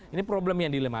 ini problem yang dilematkan